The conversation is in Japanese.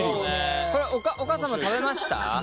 これお母さんも食べました？